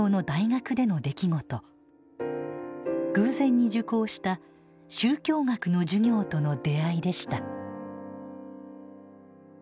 偶然に受講した宗教学の授業との出会いでした。